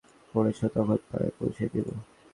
কেভটের নৌকায় যেহেতু উঠেই পড়েছ, তখন পাড়ে পৌঁছেই দিবো।